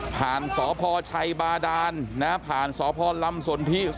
ผ่านสอพชัยบาดาลผ่านสอพลำสนทิศ